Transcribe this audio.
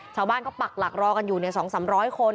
ชาวบ้านก็ปักหลักรอกันอยู่๒๓๐๐คน